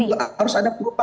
itu juga harus ada perubahan